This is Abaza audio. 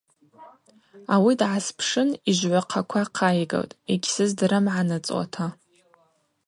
Ауи дгӏаспшын йыжвгӏвахъаква хъайгылтӏ – йгьсыздырам – гӏаныцӏуата.